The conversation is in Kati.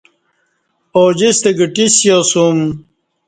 اوجستہ گھٹی سیاسوم